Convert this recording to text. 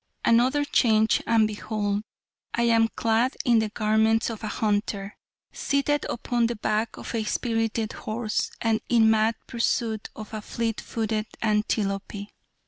Another change, and behold, I am clad in the garments of a hunter, seated upon the back of a spirited horse and in mad pursuit of a fleet footed antelope.